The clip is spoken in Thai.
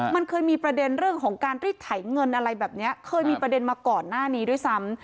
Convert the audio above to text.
มันเคยมีประเด็นเรื่องของการรีดไถเงินอะไรแบบนี้เคยมีประเด็นมาก่อนหน้านี้ด้วยซ้ำ